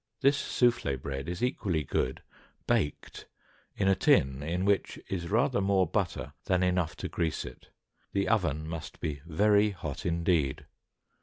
This soufflée bread is equally good baked in a tin in which is rather more butter than enough to grease it; the oven must be very hot indeed.